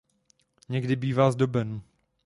Někdy bývá zdoben.